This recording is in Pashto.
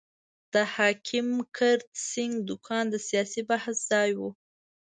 د حکیم کرت سېنګ دوکان د سیاسي بحث ځای وو.